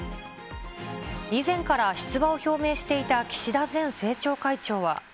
以前から出馬を表明していた岸田前政調会長は。